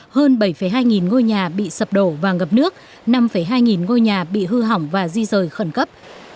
hơn bảy hai nghìn ngôi nhà bị sập đổ và ngập nước năm hai nghìn ngôi nhà bị hư hỏng và di rời khẩn cấp